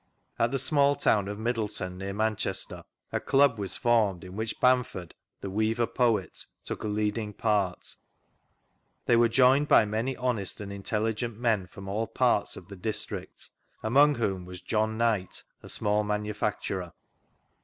At the small town of Middleton, near Manchester, a Club was formed in which Bamford, the weaver poet, took a leading part. They were joined by many honest and intelligent men from all parts of the district, among whom vGoogIc MR. SMITH'S NARRATIVE 63 was John Knight, a small manufacturer.